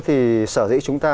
thì sở dĩ chúng ta